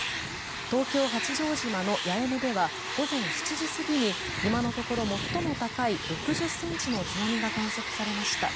東京・八丈島の八重根では午前７時過ぎに今のところ最も高い６０ｃｍの津波が観測されました。